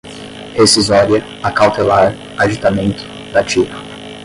rescisória, acautelar, aditamento, dativo